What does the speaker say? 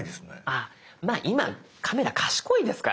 ああまぁ今カメラ賢いですからね。